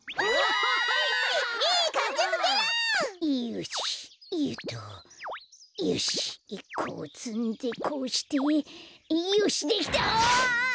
よしよっとよしこうつんでこうしてよしできた！ああ！